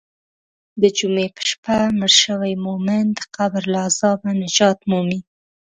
د جمعې په شپه مړ شوی مؤمن د قبر له عذابه نجات مومي.